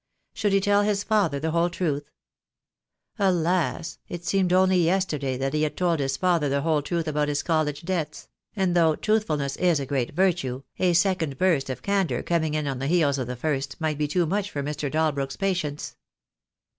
Should he tell his father the whole truth? Alas, it seemed only yesterday that he had told his father the whole truth about his college debts; and THE DAY WILL COME. 23 though truthfulness is a great virtue, a second burst of candour coming on the heels of the first might be too much for Mr. Dalbrook's patience.